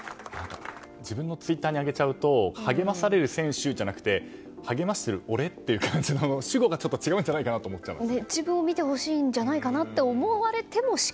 自分のツイッターに上げちゃうと励まされる選手じゃなくて励ましている俺という感じの主語が違うんじゃないかと思っちゃいますね。